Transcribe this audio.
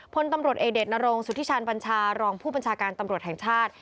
พลตำรวจเอกเดชนรงสุธิชาญบัญชารองผู้บัญชาการตำรวจแห่งชาติ